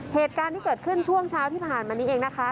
เหตุการณ์ที่เกิดขึ้นช่วงเช้าที่ผ่านมานี้เองนะคะ